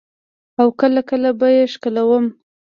او کله کله به يې ښکلولم.